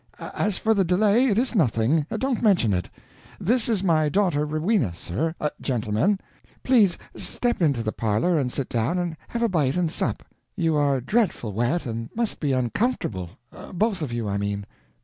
As for the delay, it is nothing, don't mention it. This is my daughter Rowena, sir gentlemen. Please step into the parlor and sit down and have a bite and sup; you are dreadful wet and must be uncomfortable both of you, I mean."